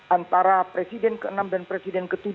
antara presiden ke enam dan presiden ke tujuh